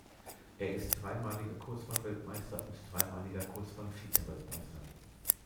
Er ist dreimaliger Kurzbahn-Weltmeister und dreimaliger Kurzbahn-Vizeweltmeister.